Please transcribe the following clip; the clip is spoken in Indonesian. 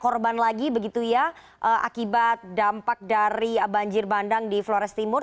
korban lagi begitu ya akibat dampak dari banjir bandang di flores timur